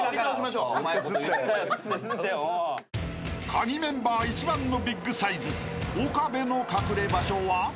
［カギメンバー一番のビッグサイズ岡部の隠れ場所は］